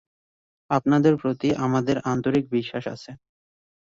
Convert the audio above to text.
আপনাদের প্রতি আমরা আন্তরিক বিশ্বাস আছে।